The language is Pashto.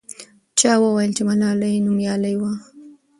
چا وویل چې ملالۍ نومیالۍ وه.